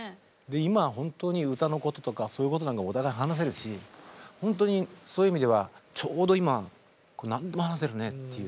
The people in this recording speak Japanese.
今は本当に歌のこととかそういうことなんかもお互い話せるし本当にそういう意味ではちょうど今何でも話せるねっていう。